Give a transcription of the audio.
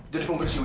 jadi punggir si wc